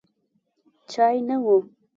چای نه و.